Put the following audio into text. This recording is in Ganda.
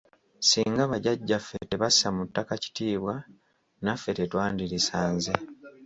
Singa bajjajjaffe tebassa mu ttaka kitiibwa naffe tetwandirisanze.